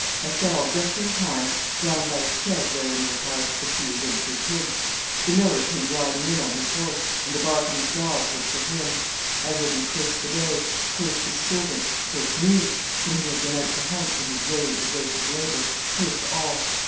I fell, just in time, down by a shed wherein were housed the few wintry pigs. The miller came riding in on his horse, and the barking of dogs was for him. I heard him curse the day, curse his servant, curse me, whom he had been out to hunt, in his rage of wasted labour, curse all.